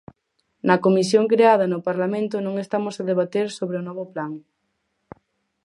Na comisión creada no Parlamento non estamos a debater sobre o novo plan.